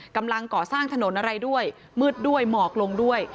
กำลังก่อสร้างถนนอะไรด้วยมืดด้วยหมอกลงด้วย